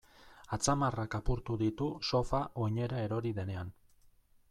Atzamarrak apurtu ditu sofa oinera erori denean.